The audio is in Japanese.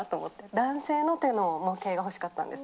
男性の手の模型が欲しかったんです。